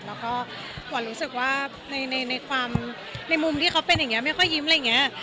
แล้วก็ขวัญรู้สึกว่าในมุมที่เขาเป็นอย่างนี้ไม่ค่อยยิ้มอะไรอย่างนี้